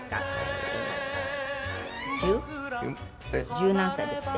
十何歳ですって？